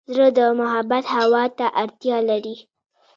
زړه د محبت هوا ته اړتیا لري.